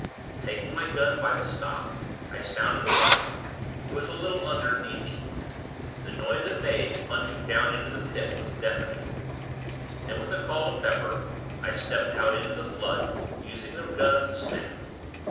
Taking my gun by the stock, I sounded the water. It was a little under knee deep. The noise it made, plunging down into the Pit, was deafening. Then, with a call to Pepper, I stepped out into the flood, using the gun as a staff.